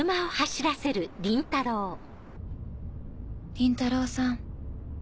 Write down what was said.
「倫太郎さん。